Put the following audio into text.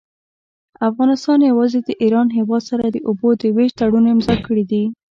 افغانستان يوازي د ايران هيواد سره د اوبو د ويش تړون امضأ کړي دي.